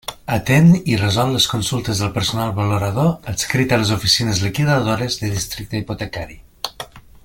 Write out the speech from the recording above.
Atén i resol les consultes del personal valorador adscrit a les oficines liquidadores de districte hipotecari.